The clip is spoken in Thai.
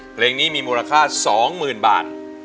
เพลงนี้มีมูลค่า๒๐๐๐บาท